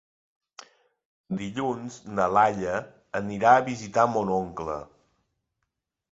Dilluns na Laia anirà a visitar mon oncle.